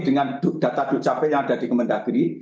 dengan data dtks yang ada di kementerian negeri